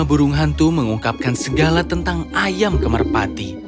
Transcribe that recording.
mama burung hantu mengungkapkan segala tentang ayam ke merpati